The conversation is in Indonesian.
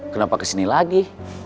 kenapa kesini lagi